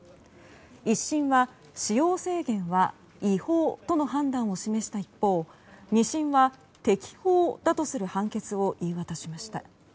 １審は、使用制限は違法との判断を示した一方２審は適法だとする判決を言い渡しました。